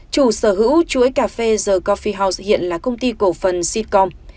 chủ sở hữu chuỗi cà phê the coffee house hiện là công ty cổ phần sitcom